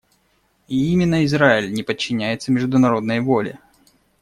И именно Израиль не подчиняется международной воле.